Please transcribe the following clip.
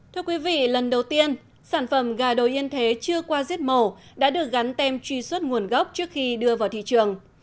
thưa quý vị lần đầu tiên sản phẩm gà đồi yên thế chưa qua giết mổ đã được gắn tem truy xuất nguồn gốc trước khi đưa vào thị trường